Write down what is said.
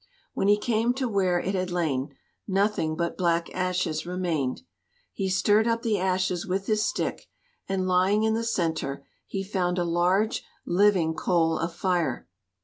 When he came to where it had lain, nothing but black ashes remained. He stirred up the ashes with his stick, and lying in the centre he found a large living coal of fire.